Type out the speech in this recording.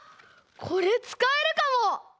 これつかえるかも！